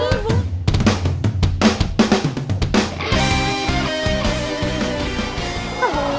sampai jumpa lagi